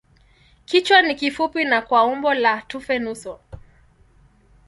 Kichwa ni kifupi na kwa umbo la tufe nusu.